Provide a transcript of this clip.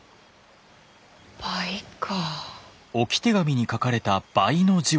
倍か。